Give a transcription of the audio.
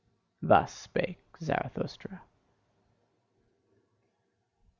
Thus spake Zarathustra.